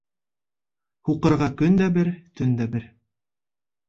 Һуҡырға көн дә бер, төн дә бер.